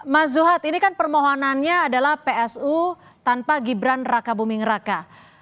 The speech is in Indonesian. mas zuhad ini kan permohonannya adalah psu tanpa gibran raka buming raka